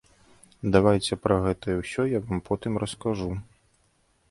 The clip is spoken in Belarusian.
Давайце пра гэта ўсё я вам потым раскажу.